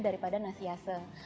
daripada nasi yase